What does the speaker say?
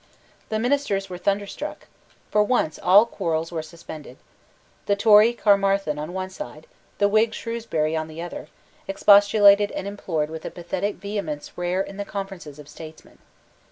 The ministers were thunderstruck. For once all quarrels were suspended. The Tory Caermarthen on one side, the Whig Shrewsbury on the other, expostulated and implored with a pathetic vehemence rare in the conferences of statesmen.